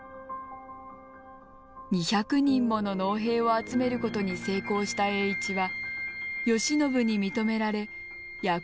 ２００人もの農兵を集めることに成功した栄一は慶喜に認められ躍進していくのでした。